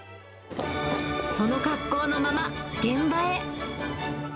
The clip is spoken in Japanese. その格好のまま、現場へ。